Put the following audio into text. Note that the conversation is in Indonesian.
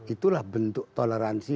itulah bentuk toleransi